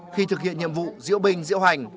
khi thực hiện nhiệm vụ diễu binh diễu hành